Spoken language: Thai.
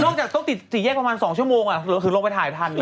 คือนอกจากต้องติดสีแยกประมาณ๒ชั่วโมงอ่ะหรือถึงลงไปถ่ายทันละ